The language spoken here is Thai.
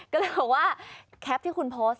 ก็เลยบอกว่าแคปที่คุณโพสต์